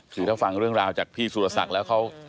คือถ้าฟังเรื่องราวจากพี่สุรศักดิ์แล้วเขา